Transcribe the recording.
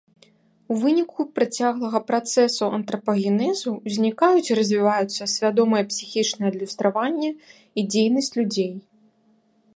У выніку працяглага працэсу антрапагенезу узнікаюць і развіваюцца свядомае псіхічнае адлюстраванне і дзейнасць людзей.